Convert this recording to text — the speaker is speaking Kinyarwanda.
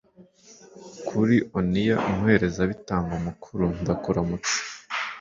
kuri oniya, umuherezabitambo mukuru. ndakuramutsa